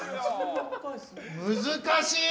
難しい。